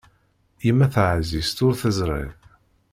Yemma taɛzizt ur teẓri.